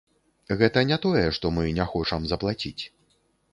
Гэта не тое што мы не хочам заплаціць.